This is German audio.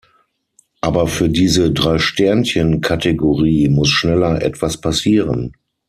Aber für diese "Drei Sternchen "Kategorie muss schneller etwas passieren.